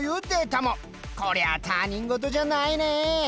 こりゃあ他人事じゃないね。